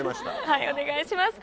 はいお願いします。